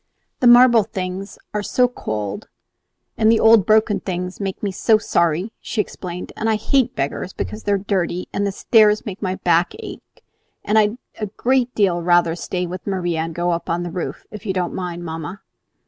"The marble things are so cold, and the old broken things make me so sorry," she explained; "and I hate beggars because they are dirty, and the stairs make my back ache; and I'd a great deal rather stay with Maria and go up on the roof, if you don't mind, mamma."